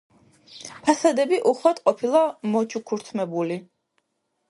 ფასადები უხვად ყოფილა მოჩუქურთმებული.